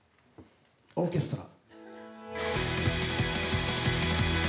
『オーケストラ』。